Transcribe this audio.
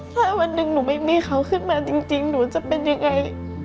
ถ้าวันหนึ่งหนูไม่มีเขาขึ้นมาจริงหนูจะเป็นยังไง